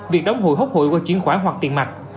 việc đóng hội hút hội qua chuyến khóa hoặc tiền mặt